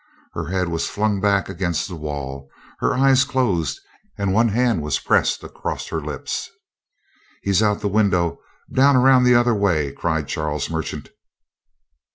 Her head was flung back against the wall, her eyes closed, and one hand was pressed across her lips. "He's out the window. Down around the other way," cried Charles Merchant.